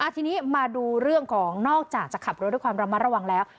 ทีนี้มาดูเรื่องของนอกจากจะขับรถด้วยความระมัดระวังแล้ว